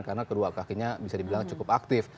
karena kedua kakinya bisa dibilang cukup aktif